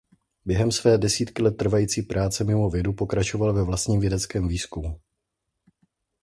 Během své desítky let trvající práce mimo vědu pokračoval ve vlastním vědeckém výzkumu.